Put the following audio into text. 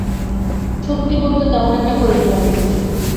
সত্যি বলতে তেমন একটা পরিচয় নেই।